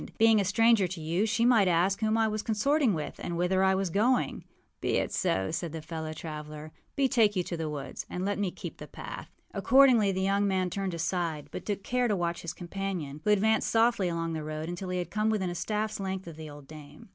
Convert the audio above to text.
Being a stranger to you, she might ask whom I was consorting with and whither I was going.â âBe it so,â said his fellow traveller. âBetake you to the woods, and let me keep the path.â Accordingly the young man turned aside, but took care to watch his companion, who advanced softly along the road until he had come within a staffâs length of the old dame.